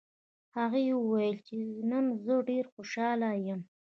هغې وویل چې نن زه ډېره خوشحاله یم